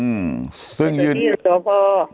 อืมซึ่งยืนไปที่สระบอ